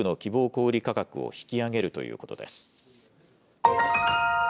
小売り価格を引き上げるということです。